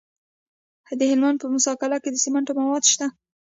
د هلمند په موسی قلعه کې د سمنټو مواد شته.